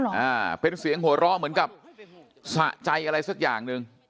เหนือเสียงเหมือนกับสะใจอะไรสักอย่าง